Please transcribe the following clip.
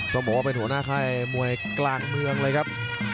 ต้องบอกว่าเป็นหัวหน้าค่ายมวยกลางเมืองเลยครับ